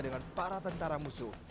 dengan para tentara musuh